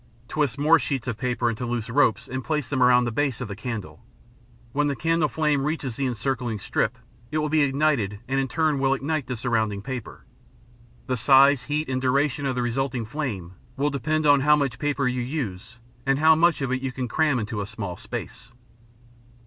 Twist more sheets of paper into loose ropes and place them around the base of the candle. When the candle flame reaches the encircling strip, it will be ignited and in turn will ignite the surrounding paper. The size, heat, and duration of the resulting flame will depend on how much paper you use and how much of it you can cramp in a small space.